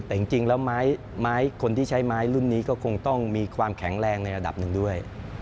แต่จริงแล้วไม้คนที่ใช้ไม้รุ่นนี้ก็คงต้องมีความแข็งแรงในระดับหนึ่งด้วย